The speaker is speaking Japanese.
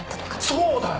そうだよ。